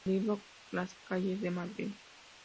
El libro "Las calles De Madrid.